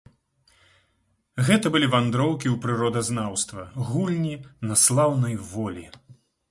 Гэта былі вандроўкі ў прыродазнаўства, гульні на слаўнай волі.